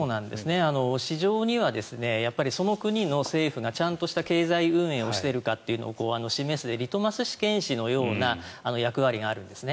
市場にはその国の政府がちゃんとした経済運営をしているかを示すリトマス試験紙のような役割があるんです。